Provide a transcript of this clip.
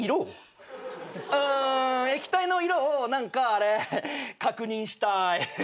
うーん液体の色を何かあれ確認したーい。